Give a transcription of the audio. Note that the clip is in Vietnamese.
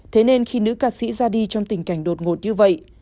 thế nên khi nữ ca sĩ ra đi trong tình cảnh đột ngột như vậy